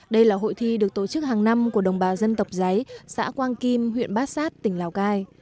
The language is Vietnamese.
đây là hội thi được tổ chức hàng năm của đồng bào dân tộc giấy xã quang kim huyện bát sát tỉnh lào cai